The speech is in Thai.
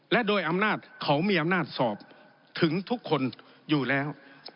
และโดยอำนาจเขามีอำนาจสอบถึงทุกคนอยู่แล้ว